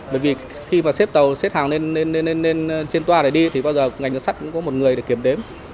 bởi vì khi mà xếp tàu xếp hàng lên trên toa để đi thì bao giờ ngành đường sắt cũng có một người để kiểm đếm